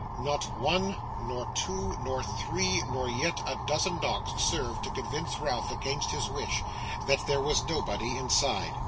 Not one, nor two, nor three, nor yet a dozen knocks, served to convince Ralph, against his wish, that there was nobody inside.